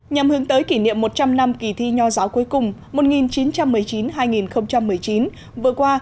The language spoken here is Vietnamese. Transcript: nhằm hướng tới kỷ niệm một trăm linh năm kỳ thi nho giáo cuối cùng một nghìn chín trăm một mươi chín hai nghìn một mươi chín vừa qua